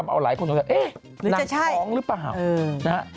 ทำเอาไลค์คนตรงนี้นั่งท้องหรือเปล่า